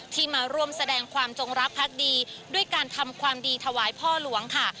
ที่มาร่วมแสดงความจงรักพักดีด้วยการทำความดีถวายพ่อหลวงค่ะ